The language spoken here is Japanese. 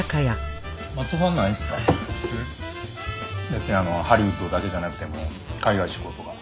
別にあのハリウッドだけじゃなくても海外志向とか。